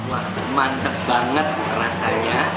wah mantep banget rasanya